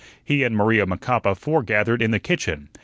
He and Maria Macapa foregathered in the kitchen.